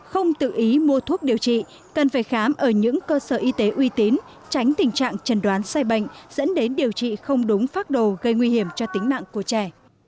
không tự ý mua thuốc điều trị cần phải khám ở những cơ sở y tế uy tín tránh tình trạng chẩn đoán sai bệnh dẫn đến điều trị không đúng phác đồ gây nguy hiểm cho tính mạng của trẻ